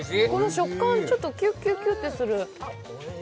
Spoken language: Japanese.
食感、ちょっとキュッキュッキュってする。